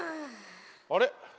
あれ？